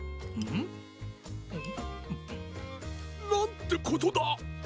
ん？なんてことだ。